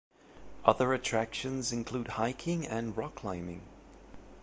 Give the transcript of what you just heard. Other attractions include hiking and rock climbing.